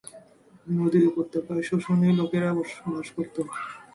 নদী উপত্যকায় শোশোনি লোকেরা বাস করত।